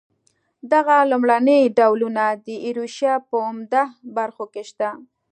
دغه لومړني ډولونه د ایروشیا په عمده برخو کې شته.